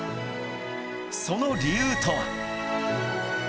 その理由とは。